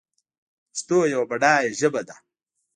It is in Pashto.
پښتو یوه بډایه ژبه ده